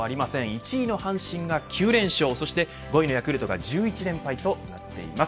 １位の阪神が９連勝、そして５位のヤクルトが１１連敗となっています。